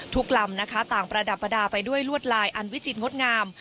ลำนะคะต่างประดับประดาษไปด้วยลวดลายอันวิจิตรงดงาม